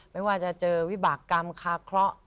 ไม่ว่าจะเจอวิบากรรมคาเคราะห์